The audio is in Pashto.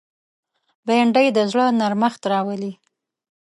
بېنډۍ د زړه نرمښت راولي